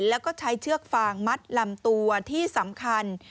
แล้วก็ใช้เชือกฟางมัดลำตัวที่สำคัญ